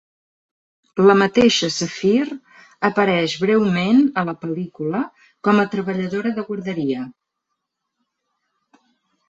La mateixa Safir apareix breument a la pel·lícula com a treballadora de guarderia.